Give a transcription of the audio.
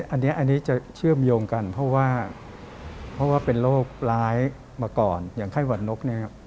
อันนี้จะเชื่อมโยงกันเพราะว่าเพราะว่าเป็นโรคร้ายมาก่อนอย่างไข้หวัดนกเนี่ย